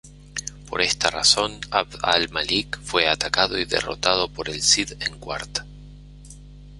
Por esta razón Abd al-Malik fue atacado y derrotado por el Cid en Quart.